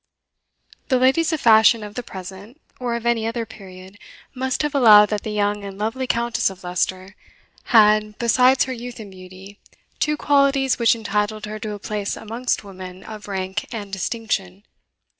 The ladies of fashion of the present, or of any other period, must have allowed that the young and lovely Countess of Leicester had, besides her youth and beauty, two qualities which entitled her to a place amongst women of rank and distinction.